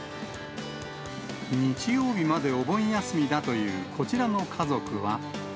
日曜日までお盆休みだという、こちらの家族は。